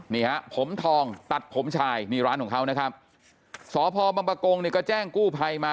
นี่ฮะผมทองตัดผมชายนี่ร้านของเขานะครับสพบำปะกงเนี่ยก็แจ้งกู้ภัยมา